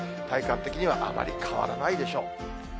体感的にはあまり変わらないでしょう。